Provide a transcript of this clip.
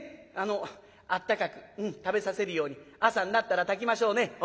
あのあったかく食べさせるように朝になったら炊きましょうね」。